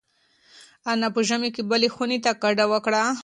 انا په ژمي کې بلې خونې ته کډه وکړه.